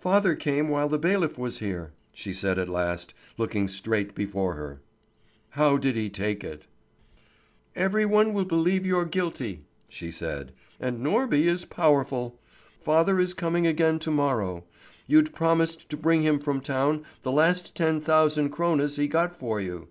"Father came while the bailiff was here," she said at last, looking straight before her. "How did he take it?" "Every one will believe you're guilty," she said. "And Norby is powerful. Father is coming again to morrow. You'd promised to bring him from town the last ten thousand krones he got for you."